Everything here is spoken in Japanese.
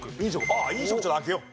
あっ飲食ちょっと開けよう。